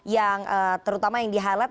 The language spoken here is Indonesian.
yang terutama yang di highlight